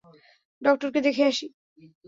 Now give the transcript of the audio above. ডক্টরকে দেখে আসি।